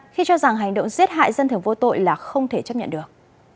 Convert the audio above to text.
khi cho rằng hành động giết hại dân thường vô tội là không thể chấp nhận được